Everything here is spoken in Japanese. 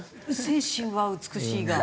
精神は美しいが。